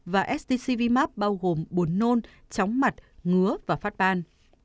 và stcvmap bao gồm bốn nôn chóng mặt ngứa và phát ban